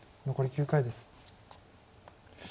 残り９回です。